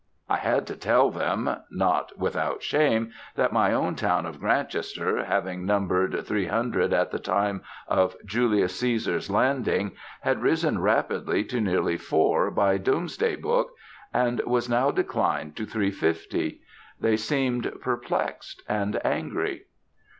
I had to tell them, not without shame, that my own town of Grantchester, having numbered three hundred at the time of Julius Caesar's landing, had risen rapidly to nearly four by Doomsday Book, but was now declined to three fifty. They seemed perplexed and angry.